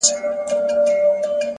مثبت فکر د ذهن کړکۍ پاکوي.